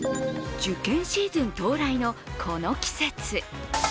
受験シーズン到来のこの季節。